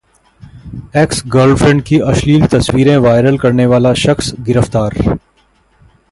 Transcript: Ex girlfriend की अश्लील तस्वीरें वायरल करने वाला शख्स गिरफ्तार